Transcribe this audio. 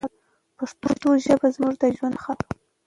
پښتو ژبه زموږ د ژوند برخه ده.